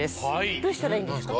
どうしたらいいんですか。